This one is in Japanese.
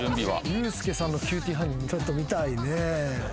ユースケさんの『キューティーハニー』ちょっと見たいね。